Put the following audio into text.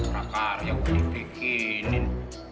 prakarya kok dipikinin